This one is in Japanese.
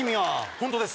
本当です